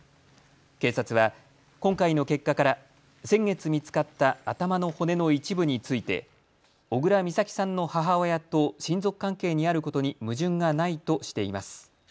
警察は今回の結果から先月見つかった頭の骨の一部について小倉美咲さんの母親と親族関係にあることに矛盾がないとしています。